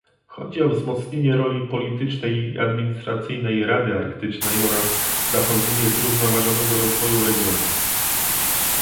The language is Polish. Chodzi o wzmocnienie roli politycznej i administracyjnej Rady Arktycznej, oraz zapewnienie zrównoważonego rozwoju regionu